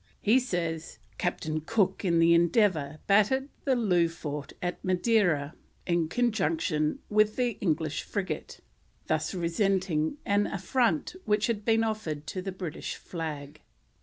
He says: "Captain Cook in the Endeavour battered the Loo Fort at Madeira in conjunction with an English Frigate, thus resenting an affront which had been offered to the British flag."